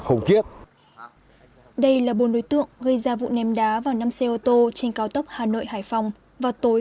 khủng khiếp đây là bốn đối tượng gây ra vụ ném đá vào năm xe ô tô trên cao tốc hà nội hải phòng vào tối